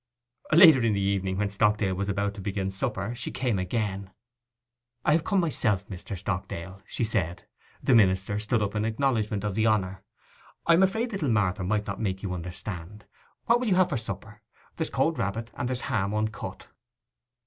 Later in the evening, when Stockdale was about to begin supper, she came again. 'I have come myself, Mr. Stockdale,' she said. The minister stood up in acknowledgment of the honour. 'I am afraid little Marther might not make you understand. What will you have for supper?—there's cold rabbit, and there's a ham uncut.